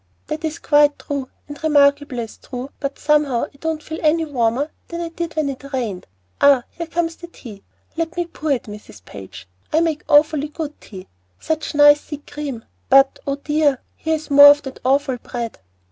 "That is quite true, and remarkable as true; but somehow I don't feel any warmer than I did when it rained. Ah, here comes the tea. Let me pour it, Mrs. Page. I make awfully good tea. Such nice, thick cream! but, oh, dear! here is more of that awful bread."